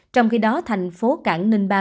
trong khi đó thành phố cảng ninh ba